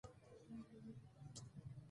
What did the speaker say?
څوک ناروغانو ته درمل ورکوي؟